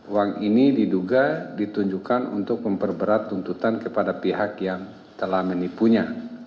uang ini diduga ditunjukkan untuk memperberat tuntutan kepada pihak yang telah menipunya